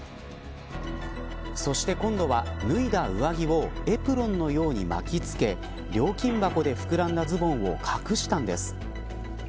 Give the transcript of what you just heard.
そして、今度は脱いだ上着をエプロンのように巻き付け料金箱で膨らんだズボンを隠したんです。